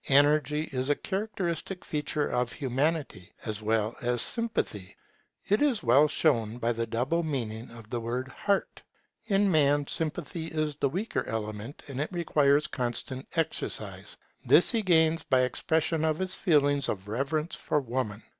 Energy is a characteristic feature of Humanity as well as Sympathy; as is well shown by the double meaning of the word Heart. In Man Sympathy is the weaker element, and it requires constant exercise. This he gains by expression of his feelings of reverence for Woman.